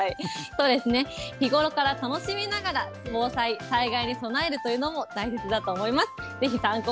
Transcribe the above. そうですね、日頃から楽しみながら、防災、災害に備えるというのも大切だと思います。